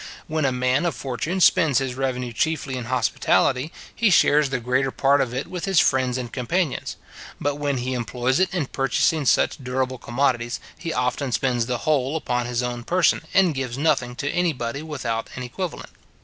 When a man of fortune spends his revenue chiefly in hospitality, he shares the greater part of it with his friends and companions; but when he employs it in purchasing such durable commodities, he often spends the whole upon his own person, and gives nothing to any body without an equivalent.